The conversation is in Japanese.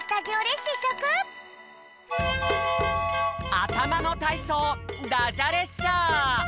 あたまのたいそうダジャ列車！